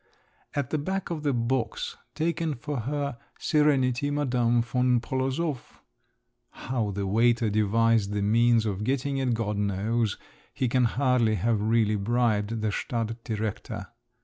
At the back of the box taken for her "Serenity Madame von Polozov" (how the waiter devised the means of getting it, God knows, he can hardly have really bribed the stadt director!)